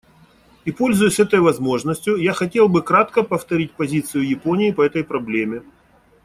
И пользуясь этой возможностью, я хотел бы кратко повторить позицию Японии по этой проблеме.